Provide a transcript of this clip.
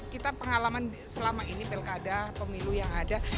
kita pengalaman selama ini pelk ada pemilu yang ada